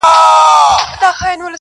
o کيږي او ژورېږي,